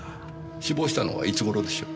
死亡したのはいつ頃でしょう？